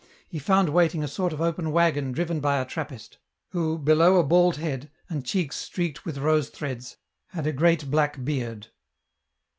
He found waiting a sort of open wagon driven by a Trappist, who, below a bald head, and cheeks streaked with rose threads, had a great black beard.